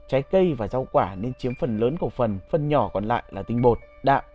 trái cây và rau quả nên chiếm phần lớn của phần phần nhỏ còn lại là tinh bột đạm